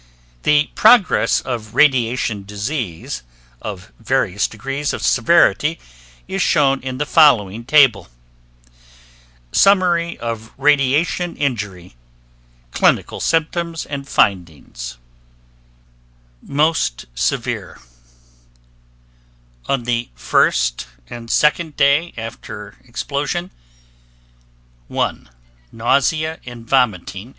The progress of radiation disease of various degrees of severity is shown in the following table: Summary of Radiation Injury Clinical Symptoms and Findings Day after Explo sion Most Severe Moderately Severe Mild 1. 1. Nausea and vomiting 1.